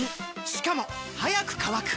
しかも速く乾く！